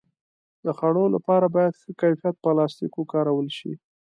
د خوړو لپاره باید ښه کیفیت پلاستيک وکارول شي.